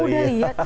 oh udah lihat